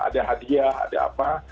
ada hadiah ada apa